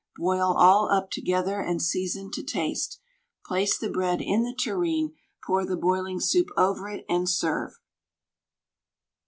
Boil all up together and season to taste. Place the bread in the tureen, pour the boiling soup over it, and serve.